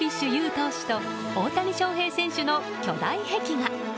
投手と大谷翔平選手の巨大壁画。